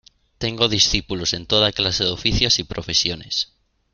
Tengo discípulos en toda clase de oficios y profesiones.